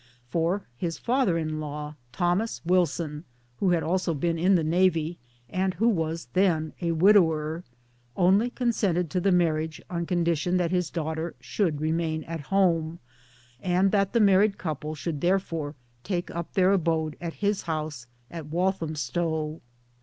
For his father in law Thomas Wilson who had also been in the Navy, and who was then a widower, only consented to the marriage on condition that his daughter should remain at home, and that the married couple should therefore take up their abode at his house at Walthamstow.